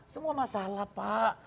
semua masalah pak